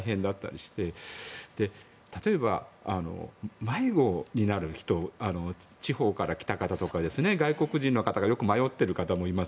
して例えば、迷子になる人地方から来た方とか外国人の方がよく迷っている方もいます。